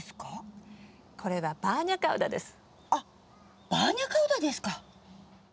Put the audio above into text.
あっバーニャカウダですか。